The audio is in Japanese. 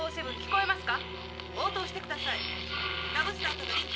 応答してください」。